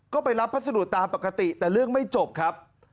ก็ไปรับพัสดุตามปกติแต่เรื่องไม่จบครับ